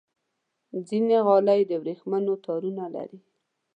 ځینې غالۍ د ورېښمو تارونو لري.